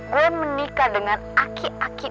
saya menikah dengan aki aki